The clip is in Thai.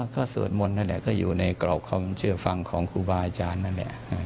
ก็สวดมนต์นั่นแหละก็อยู่ในกรอบความเชื่อฟังของครูบาอาจารย์นั่นแหละ